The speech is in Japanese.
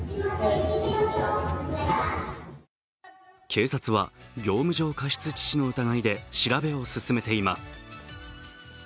警察は業務上過失致死の疑いで調べを進めています。